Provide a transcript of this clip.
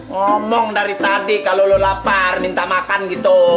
ngomong dari tadi kalau lo lapar minta makan gitu